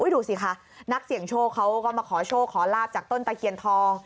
ดูสิคะนักเสี่ยงโชคเขาก็มาขอโชคขอลาบจากต้นตะเคียนทอง